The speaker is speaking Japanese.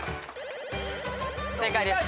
正解です。